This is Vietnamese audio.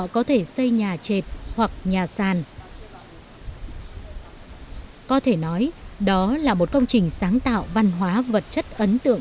cũng còn biết bao chăn trở